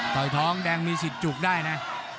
ต่อยท้องแดงมีสิทธิ์จุกได้นะ